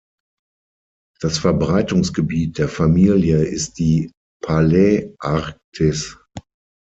Das Verbreitungsgebiet der Familie ist die Paläarktis.